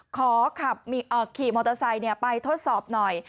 ขอขับเอ่อขี่มอเตอร์ไซต์เนี้ยไปทดสอบหน่อย